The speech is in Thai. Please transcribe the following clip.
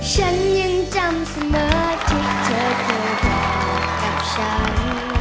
ฉันยังจำเสมอที่เธอเกิดกับฉัน